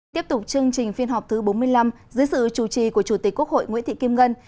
tiếp tục chương trình phiên họp thứ bốn mươi năm dưới sự chủ trì của chủ tịch quốc hội nguyễn thị kim ngân